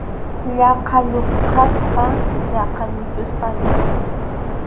Yaqa lluqaspa, yaqa suchuspalla.